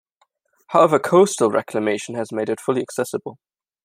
However, coastal reclamation has made it fully accessible.